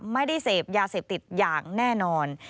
ไม่ได้เสพยาเสพติดอย่างแน่นอน